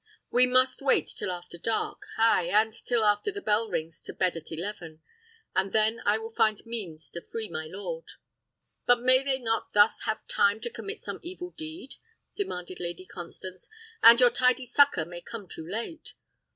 We must wait till after dark; ay, and till after the bell rings to bed at eleven; but then I will find means to free my lord." "But may they not have thus time to commit some evil deed?" demanded Lady Constance, "and your tardy succour may come too late."